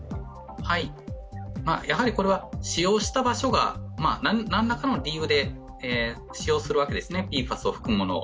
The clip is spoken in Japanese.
やはりこれは使用した場所が何らかの理由で利用するわけですね、ＰＦＡＳを含むものを。